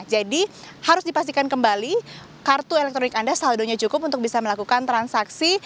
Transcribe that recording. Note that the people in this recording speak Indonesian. jadi harus dipastikan kembali kartu elektronik anda saldonya cukup untuk bisa melakukan transaksi